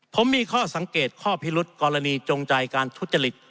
ผมมีข้อสังเกตข้อพิรุษกรณีจงใจการทุจริต